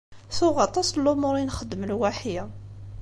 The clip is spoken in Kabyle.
Tuɣ aṭas n lumuṛ i nxeddem lwaḥi.